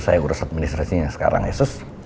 saya urus administrasinya sekarang ya sus